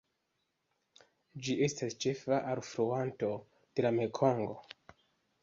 Ĝi estas ĉefa alfluanto de la Mekongo.